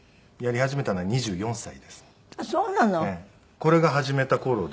これが始めた頃で。